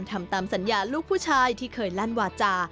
ทำตามสัญญาลูกผู้ชายที่เคยลั่นวาจา